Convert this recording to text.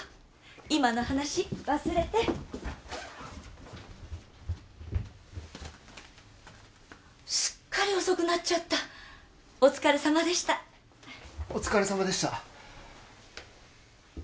今の話忘れてすっかり遅くなっちゃったお疲れさまでしたお疲れさまでした